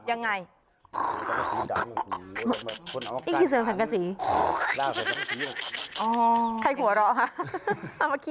ยังไง